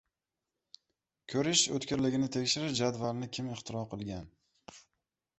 Ko‘rish o‘tkirligini tekshirish jadvalini kim ixtiro qilgan?